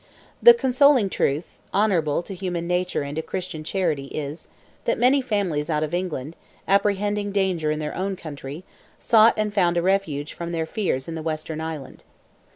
The consoling truth—honourable to human nature and to Christian charity, is—that many families out of England, apprehending danger in their own country, sought and found a refuge from their fears in the western island.